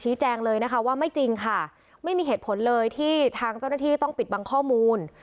แจ้งเลยนะคะว่าไม่จริงค่ะไม่มีเหตุผลเลยที่ทางเจ้าหน้าที่ต้องปิดบังข้อมูล